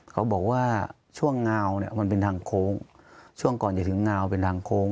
เขาบอกว่าช่วงงาวเนี่ยมันเป็นทางโค้งช่วงก่อนจะถึงงาวเป็นทางโค้ง